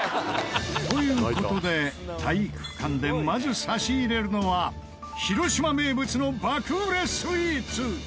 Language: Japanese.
という事で体育館でまず差し入れるのは広島名物の爆売れスイーツ